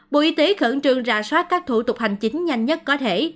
bộ y tế khẩn trương rà soát các thủ tục hành chính nhanh nhất có thể